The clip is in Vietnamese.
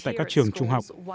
tại các trường trung học